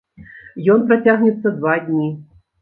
Ён працягнецца два дні.